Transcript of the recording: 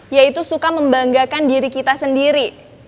yaitu suka membanggakan diri kita sendiri